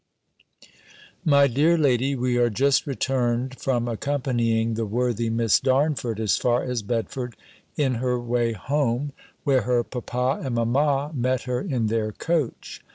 MY DEAR LADY, We are just returned from accompanying the worthy Miss Darnford as far as Bedford, in her way home, where her papa and mamma met her in their coach.